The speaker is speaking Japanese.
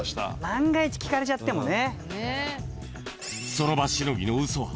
万が一聞かれちゃってもね。